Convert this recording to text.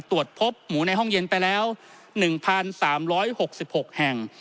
ตรวจพบหมูในห้องเย็นไปแล้ว๑๓๖๖แห่ง